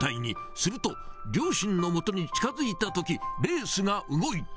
すると、両親のもとに近づいたとき、レースが動いた。